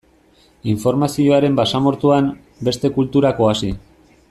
Informazioaren basamortuan, beste kulturak oasi.